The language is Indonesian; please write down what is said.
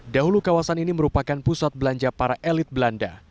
dahulu kawasan ini merupakan pusat belanja para elit belanda